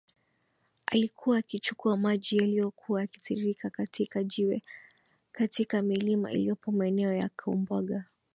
alikuwa akichukua maji yaliyokuwa yakitiririka katika jiwe katika milima iliyopo maeneo ya Kaumbwaga